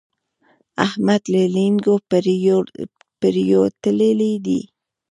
احمد له لېنګو پرېوتلی دی.